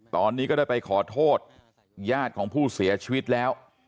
ตอนนี้ก็ได้ไปขอโทษญาติของผู้เสียชีวิตแล้ว